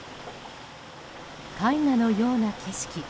絵画のような景色。